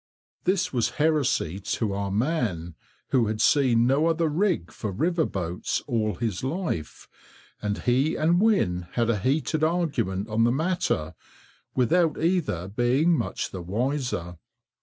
This was heresy to our man, who had seen no other rig for river boats all his life, and he and Wynne had a heated argument on the matter, without either being much the wiser.